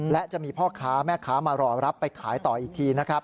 และจะมีพ่อค้าแม่ค้ามารอรับไปขายต่ออีกทีนะครับ